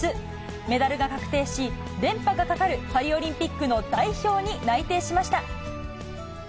メダルが確定し、連覇がかかるパリオリンピックの代表に内定しました。